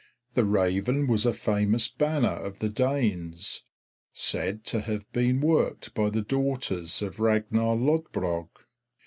The Raven was a famous banner of the Danes, said to have been worked by the daughters of Ragnar Lodbrog.